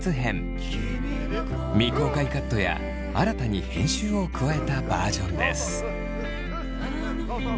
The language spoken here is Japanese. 今回は未公開カットや新たに編集を加えたバージョンです。